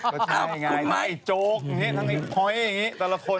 ก็ใช่ไงไงไอ้โจ๊กทั้งไอ้พอยต์อย่างนี้แต่ละคน